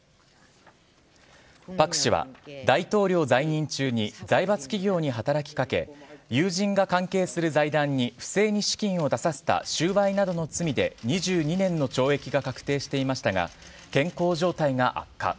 朴氏は大統領在任中に財閥企業に働きかけ友人が関係する財団に不正に資金を出させた収賄などの罪で２２年の懲役が確定していましたが健康状態が悪化。